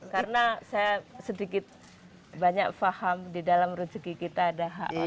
karena saya sedikit banyak paham di dalam rezeki kita ada hak orang lain